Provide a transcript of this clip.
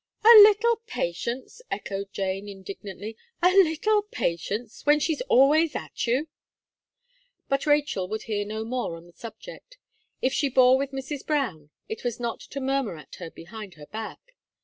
"A little patience!" echoed Jane, indignantly, "a little patience! when she's always at you." But Rachel would hear no more on the subject. If she bore with Mrs. Brown, it was not to murmur at her behind her back.